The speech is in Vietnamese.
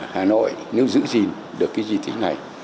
hà nội nếu giữ gìn được cái di tích này